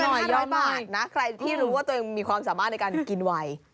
เออลองดูหน่อยยอมมากนะใครที่รู้ว่าจะมีความสามารถในการกินไว